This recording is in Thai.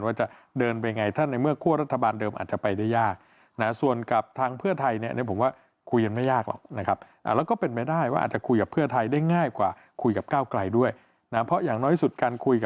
ว่าจะเดินไปอย่างไรถ้าในเมื่อครับอาทบาจเดิมอาจจะไปได้ยาก